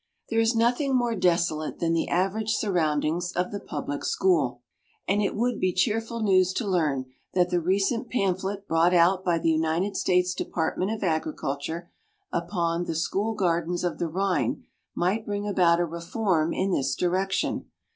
There is nothing more desolate than the average surroundings of the public school, and it would be cheerful news to learn that the recent pamphlet brought out by the United States Department of Agriculture upon the School Gardens of the Rhine might bring about a reform in this direction.